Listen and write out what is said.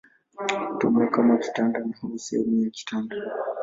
Hutumiwa kama kitanda au kama sehemu ya kitanda.